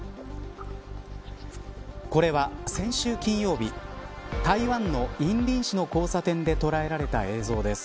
これは先週金曜日台湾の員林市の交差点で捉えられた映像です。